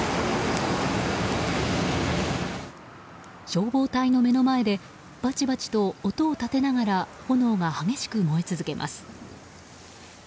消防隊の目の前でバチバチと音を立てながら炎が激しく燃え続けます。